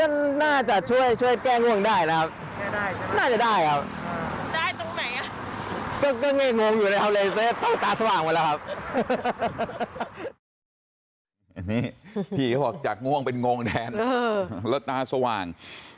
นี่พี่เขาบอกจากง่วงเป็นงงแทนแล้วตาสว่าง